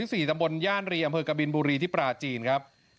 ที่ย่านรีอำเภอกระบิญบุรีอำเภอกระบินบุลรีปราจีนครับ